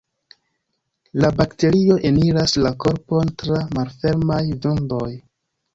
La bakterio eniras la korpon tra malfermaj vundoj.